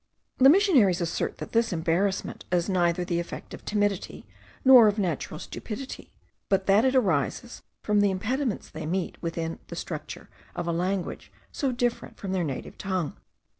The missionaries assert that this embarrassment is neither the effect of timidity nor of natural stupidity, but that it arises from the impediments they meet with in the structure of a language so different from their native tongue.